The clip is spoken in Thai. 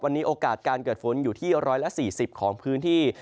วันนี้โอกาสการเกิดฝนอยู่ที่๑๔๐ของพื้นที่